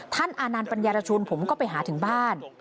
อานันต์ปัญญารชุนผมก็ไปหาถึงบ้าน